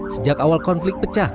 sejak awal konflik pecah